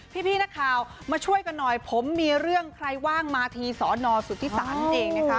พี่นักข่าวมาช่วยกันหน่อยผมมีเรื่องใครว่างมาทีสอนอสุทธิศาลนั่นเองนะคะ